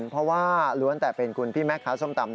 เพราะว่าล้วนแต่เป็นคุณพี่แม่ค้าส้มตำ